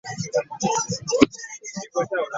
Ku Kampala kuno kumpi tukolerera kulya.